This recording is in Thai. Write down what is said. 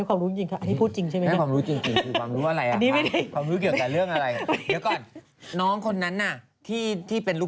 อันนี้พูดจริงใช่ไหมเนี่ย